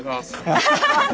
アハハハッ。